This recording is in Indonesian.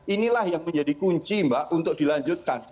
inilah yang menjadi kunci mbak untuk dilanjutkan